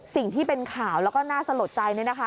สิ่งที่เป็นข่าวแล้วก็น่าสลดใจเนี่ยนะคะ